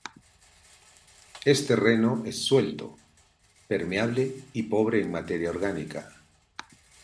Es terreno es suelto, permeable y pobre en materia orgánica.